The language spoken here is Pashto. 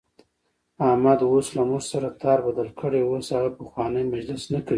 احمد اوس له موږ سره تار بدل کړی، اوس هغه پخوانی مجلس نه کوي.